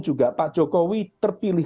juga pak jokowi terpilih